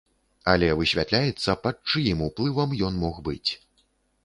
Але высвятляецца, пад чыім уплывам ён мог быць.